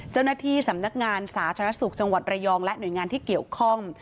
เจ้าหน้าที่สำนักงานสาธารณสุขจังหวัดระยองและหน่วยงานที่เกี่ยวข้อง